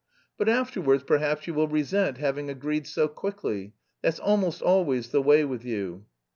"But afterwards perhaps you will resent having agreed so quickly? That's almost always the way with you."